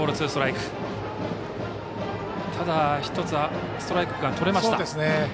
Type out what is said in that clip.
１つ、ストライクがとれました。